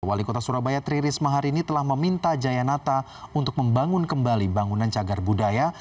wali kota surabaya tri risma hari ini telah meminta jayanata untuk membangun kembali bangunan cagar budaya